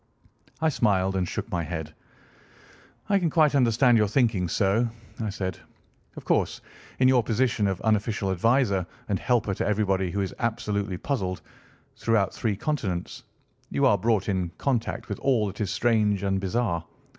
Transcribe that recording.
I smiled and shook my head. "I can quite understand your thinking so," I said. "Of course, in your position of unofficial adviser and helper to everybody who is absolutely puzzled, throughout three continents, you are brought in contact with all that is strange and bizarre.